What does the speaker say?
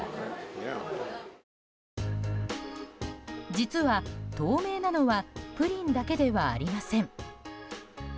実は透明なのはプリンだけではありません。